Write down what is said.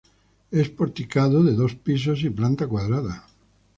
Es porticado de dos pisos y planta cuadrada.